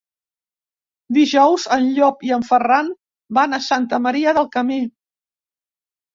Dijous en Llop i en Ferran van a Santa Maria del Camí.